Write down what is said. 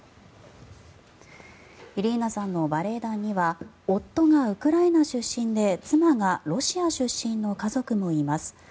イリーナさんのバレエ団には夫がウクライナ出身で妻がロシア出身の家族もいます。